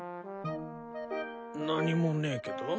何もねえけど？